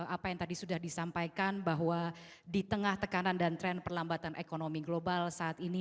apa yang tadi sudah disampaikan bahwa di tengah tekanan dan tren perlambatan ekonomi global saat ini